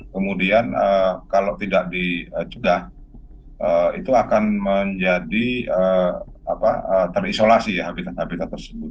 kemudian kalau tidak dicegah itu akan menjadi terisolasi habitat habitat tersebut